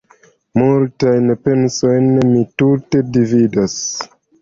Multajn pensojn mi tute dividas.